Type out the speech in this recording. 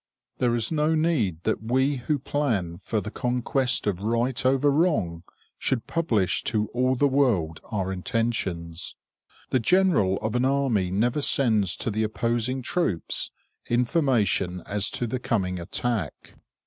There is no need that we who plan for the conquest of right over wrong should publish to all the world our intentions. The general of an army never sends to the opposing troops information as to the coming attack.